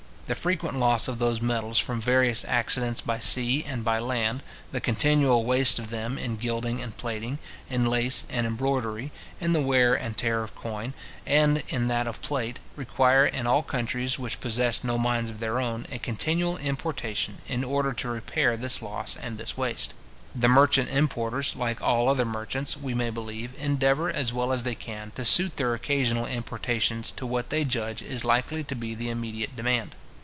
The frequent loss of those metals from various accidents by sea and by land, the continual waste of them in gilding and plating, in lace and embroidery, in the wear and tear of coin, and in that of plate, require, in all countries which possess no mines of their own, a continual importation, in order to repair this loss and this waste. The merchant importers, like all other merchants, we may believe, endeavour, as well as they can, to suit their occasional importations to what they judge is likely to be the immediate demand.